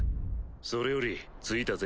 それより着いたぜ。